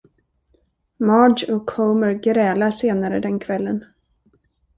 Marge och Homer grälar senare den kvällen.